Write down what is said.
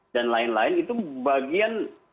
dan lain lain itu bagian